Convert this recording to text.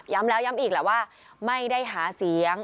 แล้วย้ำอีกแหละว่าไม่ได้หาเสียง